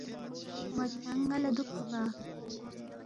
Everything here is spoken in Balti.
اون٘ا کھیانگ ن٘ا لہ دُوکتُوگا ؟